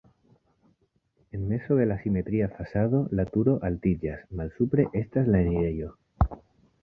En mezo de la simetria fasado la turo altiĝas, malsupre estas la enirejo.